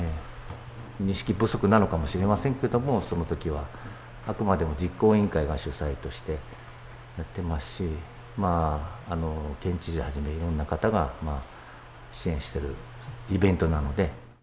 認識不足なのかもしれませんけども、そのときはあくまでも実行委員会が主催としてやってますし、県知事はじめ、いろんな方が支援してるイベントなので。